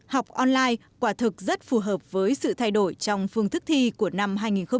học online quả thực rất phù hợp với sự thay đổi trong phương thức thi của năm hai nghìn hai mươi